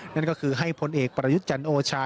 นั่นก็คือให้พลเอกประยุทธ์จันทร์โอชา